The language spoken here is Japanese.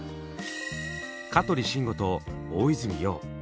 香取慎吾と大泉洋。